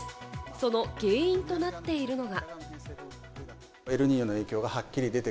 その原因となっているのが。